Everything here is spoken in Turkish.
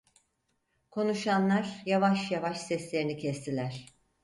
Konuşanlar yavaş yavaş seslerini kestiler.